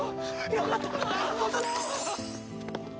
よかった！